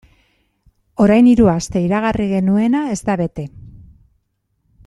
Orain hiru aste iragarri genuena ez da bete.